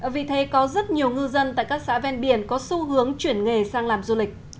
vì thế có rất nhiều ngư dân tại các xã ven biển có xu hướng chuyển nghề sang làm du lịch